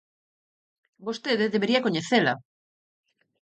Vostede debería coñecela.